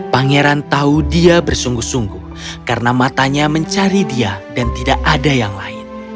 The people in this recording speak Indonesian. pangeran tahu dia bersungguh sungguh karena matanya mencari dia dan tidak ada yang lain